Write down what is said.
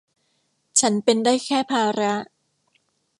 ฉันเป็นได้แค่ภาระ